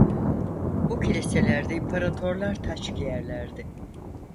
Bu kiliselerde imparatorlar taç giyerlerdi.